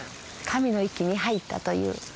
神の域に入ったという。